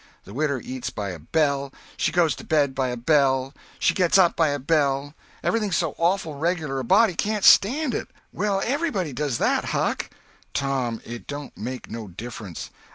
The widder eats by a bell; she goes to bed by a bell; she gits up by a bell—everything's so awful reg'lar a body can't stand it." "Well, everybody does that way, Huck." "Tom, it don't make no difference.